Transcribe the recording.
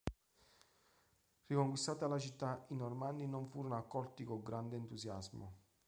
Riconquistata la città, i Normanni non furono accolti con grande entusiasmo.